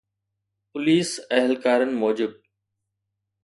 police اهلڪارن موجب